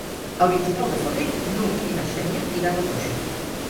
El vint-i-nou de febrer n'Hug i na Xènia iran a Toixa.